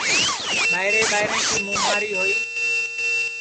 ٻائرے ٻائرے کی مُماری ہوئی